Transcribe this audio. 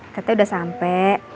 ketek udah sampe